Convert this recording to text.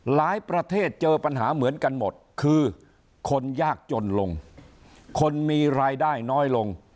ประเทศเจอปัญหาเหมือนกันหมดคือคนยากจนลงคนมีรายได้น้อยลง